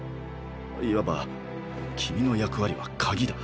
いわば君の役割は「鍵」だ。